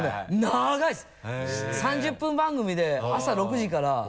長いです！